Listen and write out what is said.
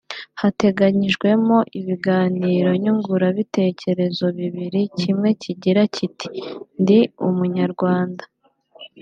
Hateganyijwemo ibiganiro nyunguranabitekerezo bibiri kimwe kigira kiti “Ndi Umunyarwanda